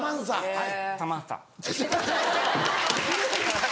はい。